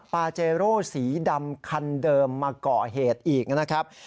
ปาเจโร่สีดำคันเดิมมาเกาะเหตุอีกนะครับ